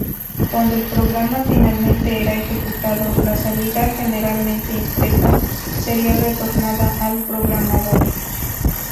Cuando el programa finalmente era ejecutado, la salida, generalmente impresa, sería retornada al programador.